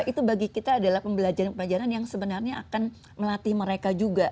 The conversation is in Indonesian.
itu bagi kita adalah pembelajaran pembelajaran yang sebenarnya akan melatih mereka juga